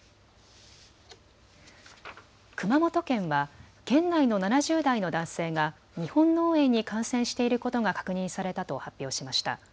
熊本県は県内の７０代の男性が日本脳炎に感染していることが確認されたと発表しました。